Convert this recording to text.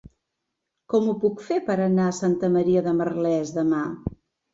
Com ho puc fer per anar a Santa Maria de Merlès demà?